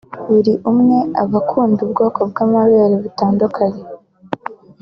buri umwe aba akunda ubwoko bw’amabere butandukanye